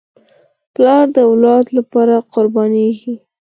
پلار د اولاد لپاره قربانېږي.